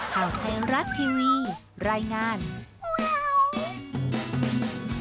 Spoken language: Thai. ข่าวไทยรักทีวีรายงานเมี๊ยว